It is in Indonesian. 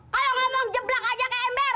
kalau ngomong jeblak aja kayak ember